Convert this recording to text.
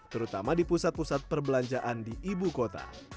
terutama di pusat pusat perbelanjaan di ibu kota